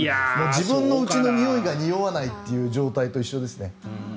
自分のうちのにおいがにおわないという状態と一緒ですね。